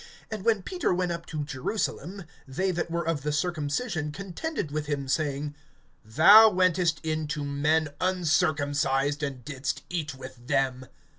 (2)And when Peter went up to Jerusalem, they that were of the circumcision contended with him, (3)saying: Thou wentest in to men uncircumcised, and didst eat with them.